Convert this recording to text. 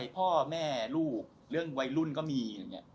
พ่อแม่ลูกเรื่องวัยรุ่นก็มีอย่างนี้